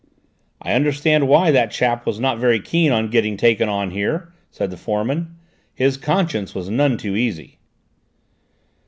"I understand why that chap was not very keen on getting taken on here," said the foreman. "His conscience was none too easy!"